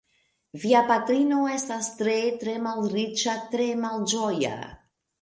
Via patrino estis tre, tre malriĉa, tre malĝoja.